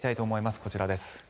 こちらです。